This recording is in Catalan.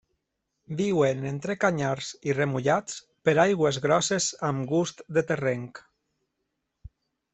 Viuen entre canyars i remullats per aigües grosses amb gust de terrenc.